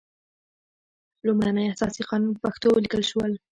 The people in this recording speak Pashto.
لومړنی اساسي قانون په پښتو ولیکل شول.